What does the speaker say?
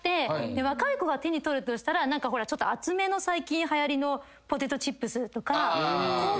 若い子が手に取るとしたらちょっと厚めの最近はやりのポテトチップスとか。